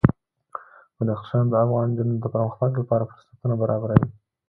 بدخشان د افغان نجونو د پرمختګ لپاره فرصتونه برابروي.